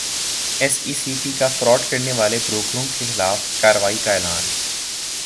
S E C P کا fraud کرنیوالے بروکروں کیخلاف کارروائی کا اعلان